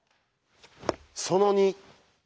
その２。